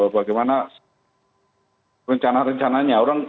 bagaimana rencana rencananya orang